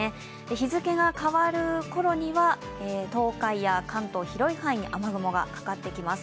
日付が変わる頃には東海や関東、広い範囲に雨雲がかかってきます。